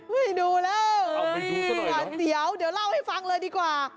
ดูแล้วเดี๋ยวเล่าให้ฟังเลยดีกว่า